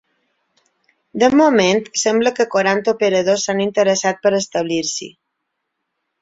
De moment, sembla que quaranta operadors s’han interessat per establir-s’hi.